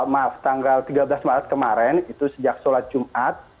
maaf tanggal tiga belas maret kemarin itu sejak sholat jumat